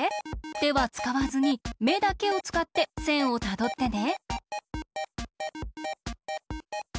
てはつかわずにめだけをつかってせんをたどってね。